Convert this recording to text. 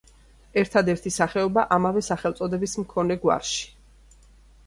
ერთადერთი სახეობა ამავე სახელწოდების მქონე გვარში.